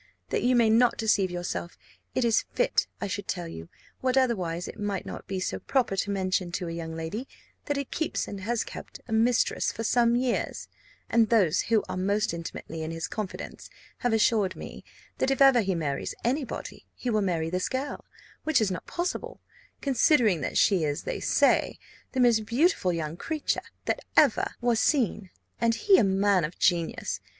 That you may not deceive yourself, it is fit I should tell you, what otherwise it might not be so proper to mention to a young lady, that he keeps and has kept a mistress for some years; and those who are most intimately in his confidence have assured me that, if ever he marries any body, he will marry this girl; which is not impossible, considering that she is, they say, the most beautiful young creature that ever was seen, and he a man of genius.